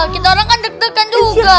kita orang kan deg degan juga